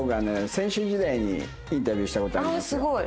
選手時代にインタビューした事ありますよ。